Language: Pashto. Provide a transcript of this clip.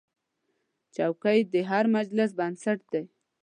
چوکۍ د هر مجلس بنسټ دی.